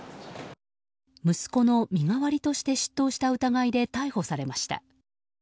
息子の身代わりとして出頭した疑いで逮捕されました。